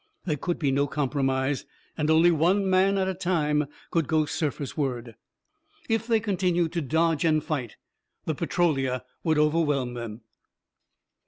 There could be no compromise, and only one man at a time could go surfaceward. If they continued to dodge and fight, the Petrolia would overwhelm them.